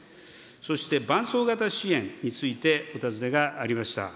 そして伴走型支援について、お尋ねがありました。